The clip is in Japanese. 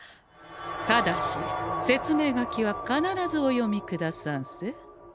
ただし説明書きは必ずお読みくださんせ。